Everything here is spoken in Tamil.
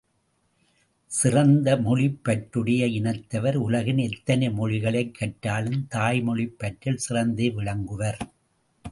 சிறந்த மொழிப் பற்றுடைய இனத்தவர் உலகின் எத்தனை மொழிகளைக் கற்றாலும் தாய்மொழிப் பற்றில் சிறந்தே விளங்குவர்.